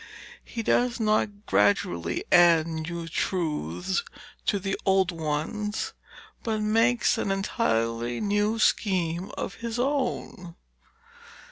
He does not gradually add new truths to the old ones, but makes an entirely new scheme of his own.